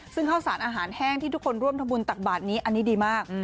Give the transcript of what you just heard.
ซึ่งข้าวสารอาหารแห้งที่ทุกคนร่วมทำบุญตักบาทนี้อันนี้ดีมาก